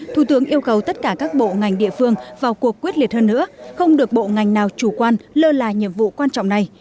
thủ tướng yêu cầu tất cả các bộ ngành địa phương vào cuộc quyết liệt hơn nữa không được bộ ngành nào chủ quan lơ là nhiệm vụ quan trọng này